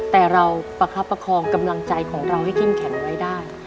แต่เราประคับประคองกำลังใจของเราให้เข้มแข็งไว้ได้